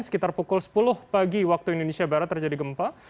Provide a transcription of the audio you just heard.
sekitar pukul sepuluh pagi waktu indonesia barat terjadi gempa